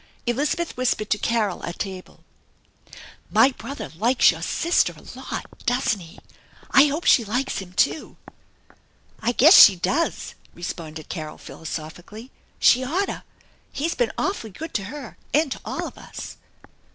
Elizabeth whispered to Carol at table :" My brother likes your sister a lot, doesn't he? I hope she likes him, too." " I guess she does/' responded Carol philosophically. " She oughtta. He's been awfully good to her, and to all of us."